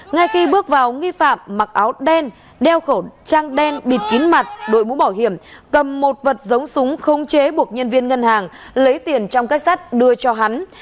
ngay khi bước vào nghi phạm mặc áo đen đeo khẩu trang đen bịt kín mặt đội mũ bảo hiểm cầm một vật giống súng không chế buộc nhân viên ngân hàng lấy tiền trong kết sắt đưa cho hắn